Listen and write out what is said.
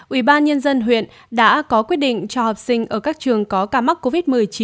ủy ban nhân dân huyện đã có quyết định cho học sinh ở các trường có ca mắc covid một mươi chín